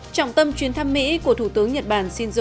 trọng tâm chuyến thăm mỹ của thủ tướng nhật bản shinzo